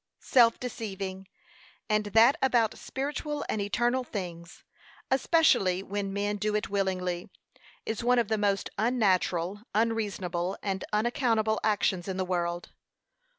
Self deceiving, and that about spiritual and eternal things, especially when men do it willingly, is one of the most unnatural, unreasonable, and unaccountable actions in the world.